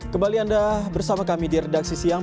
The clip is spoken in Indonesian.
kembali anda bersama kami di redaksi siang